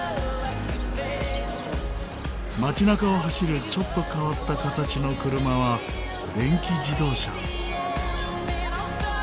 町中を走るちょっと変わった形の車は電気自動車。